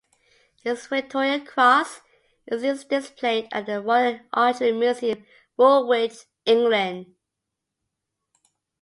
His Victoria Cross is displayed at the Royal Artillery Museum, Woolwich, England.